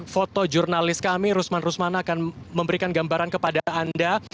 foto jurnalis kami rusman rusmana akan memberikan gambaran kepada anda